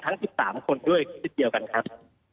ทั้ง๑๓คนด้วยเช่นเดียวกันครับ